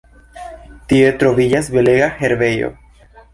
Tie troviĝas belega herbejo.